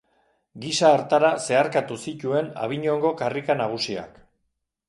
Gisa hartara zeharkatu zituen Avignongo karrika nagusiak.